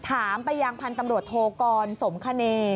ถามไปยังพันธุ์ตำรวจโทกรสมคเน